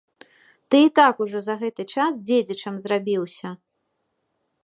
Ты і так ужо за гэты час дзедзічам зрабіўся.